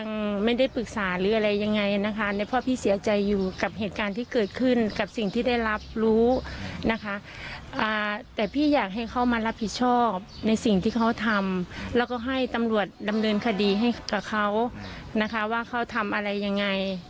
ทำร้ายร่างกายจนผิวชีวิตหรือตอนนี้ก็เป็นอีกเรื่อง